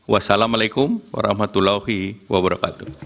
wassalamu alaikum warahmatullahi wabarakatuh